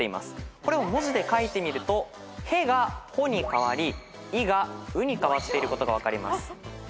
これを文字で書いてみると「へ」が「ほ」に変わり「い」が「う」に変わっていることが分かります。